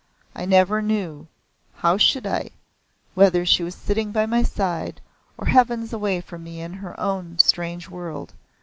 I never knew how should I? whether she was sitting by my side or heavens away from me in her own strange world.